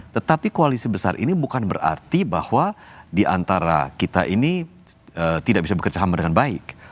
tetapi koalisi besar ini bukan berarti bahwa diantara kita ini tidak bisa bekerja sama dengan baik